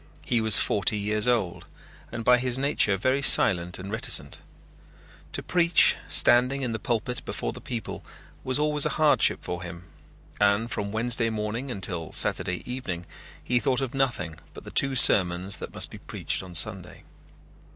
He was forty years old, and by his nature very silent and reticent. To preach, standing in the pulpit before the people, was always a hardship for him and from Wednesday morning until Saturday evening he thought of nothing but the two sermons that must be preached on Sunday.